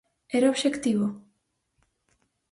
Era o obxectivo?